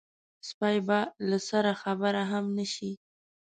سپۍ به له سره خبره هم نه شي.